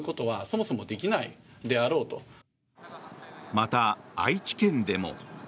また、愛知県でも。